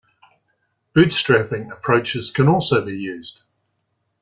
Bootstrapping approaches can also be used.